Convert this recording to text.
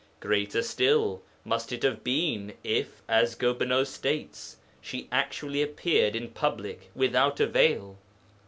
Greater still must it have been if (as Gobineau states) she actually appeared in public without a veil.